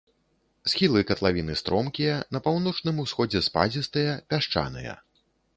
Схілы катлавіны стромкія, на паўночным усходзе спадзістыя, пясчаныя.